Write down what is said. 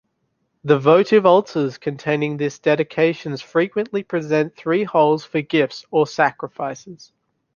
The votive altars containing this dedications frequently present three holes for gifts or sacrifices.